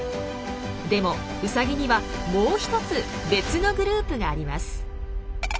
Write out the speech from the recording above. でもウサギにはもう１つ別のグループがあります。